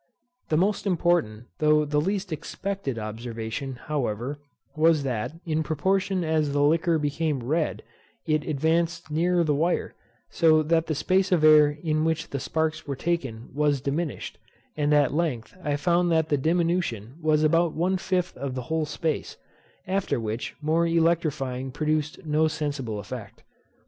The most important, though the least expected observation, however, was that, in proportion as the liquor became red, it advanced nearer to the wire, so that the space of air in which the sparks were taken was diminished; and at length I found that the diminution was about one fifth of the whole space; after which more electrifying produced no sensible effect.